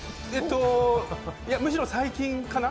むしろ最近かなぁ。